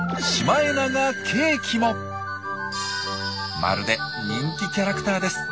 まるで人気キャラクターです。